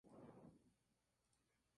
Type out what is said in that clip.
Debe permanecer abierta y relajada.